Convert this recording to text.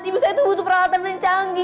ibu saya itu butuh peralatan yang canggih